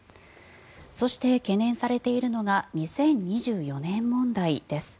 そして、懸念されているのが２０２４年問題です。